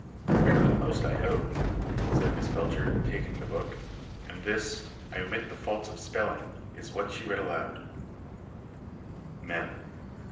"Better than most, I hope," said Miss Belcher, taking the book; and this I omit the faults of spelling is what she read aloud Mem.